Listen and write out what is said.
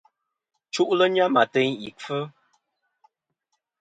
Chu'lɨ nyam ateyn ì kfɨ.